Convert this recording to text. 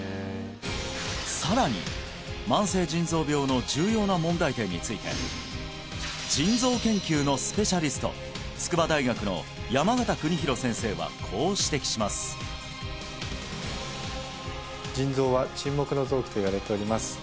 さらに慢性腎臓病の重要な問題点について腎臓研究のスペシャリスト筑波大学の山縣邦弘先生はこう指摘しますといわれております